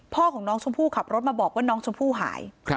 พ่อของน้องชมพู่ขับรถมาบอกว่าน้องชมพู่หาย